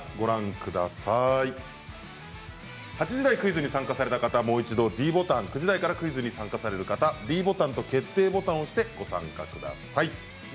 ８時台クイズに参加された方はもう一度ｄボタン９時台から参加される方はｄボタンと決定ボタンを押してご参加ください。